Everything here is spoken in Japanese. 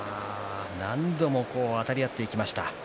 何度もあたり合っていきました。